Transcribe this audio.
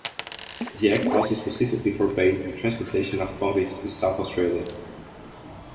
The Act also specifically forbade the transportation of convicts to South Australia.